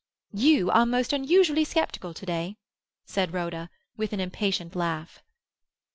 "You are most unusually sceptical to day," said Rhoda, with an impatient laugh.